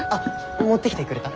持ってきてくれた？